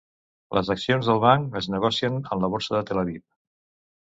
Les accions del banc es negocien en la Borsa de Tel Aviv.